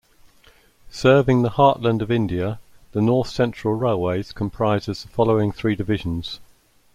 Serving the heartland of India, the North Central Railways comprises the following three divisions.